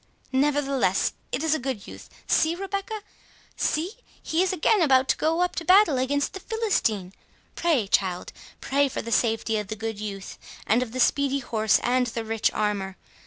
—Nevertheless, it is a good youth—See, Rebecca! see, he is again about to go up to battle against the Philistine—Pray, child—pray for the safety of the good youth,—and of the speedy horse, and the rich armour.